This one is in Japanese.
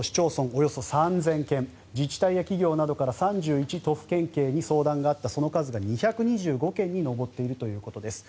およそ３０００件自治体や企業などから３１都府県警に相談があった、その数が２２５件に上っているということです。